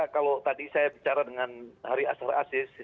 kalau tadi saya bicara dengan hari asal asis